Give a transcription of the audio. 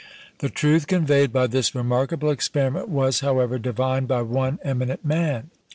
The truth conveyed by this remarkable experiment was, however, divined by one eminent man.